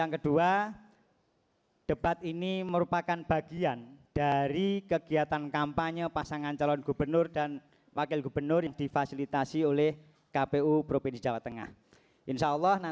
ketua bawaslu provinsi jawa tengah